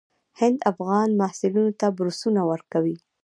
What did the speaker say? هند افغان محصلینو ته بورسونه ورکوي.